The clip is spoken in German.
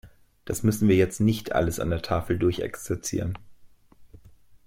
Das müssen wir jetzt nicht alles an der Tafel durchexerzieren.